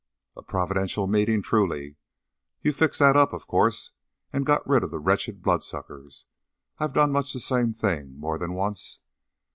"A providential meeting, truly. You fixed that up, of course, and got rid of the wretched bloodsuckers. I've done much the same thing, more than once.